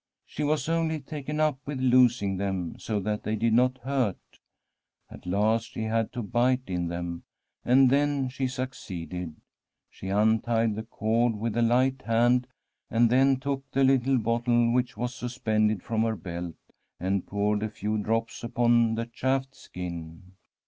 She was only taken up with loosening them so that they did not hurt. At last she had to bite [2661 Santa CATERINA of SI£NA in them, and then she succeeded. She untied the cord with a light hand, and then took the little bottle which was suspended from her belt and poured a few drops upon the chafed skin.